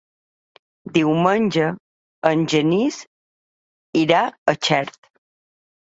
Diumenge en Genís irà a Xert.